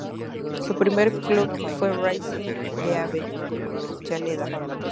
Su primer club fue Racing de Avellaneda.